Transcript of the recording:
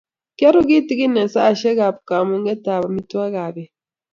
Kiaru kitikin eng saishek ab kamunget ab amitwokik ab beet